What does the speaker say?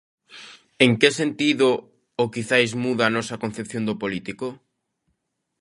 En que sentido o quizais muda a nosa concepción do político?